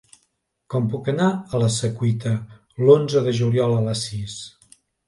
Com puc anar a la Secuita l'onze de juliol a les sis?